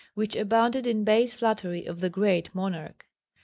which abounded in base flattery of the "Great Monarch."